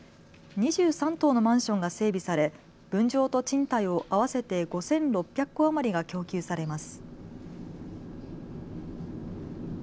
２３棟のマンションが整備され分譲と賃貸を合わせて５６００戸余りが供給されます。